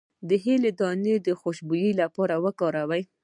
د هل دانه د خوشبو لپاره وکاروئ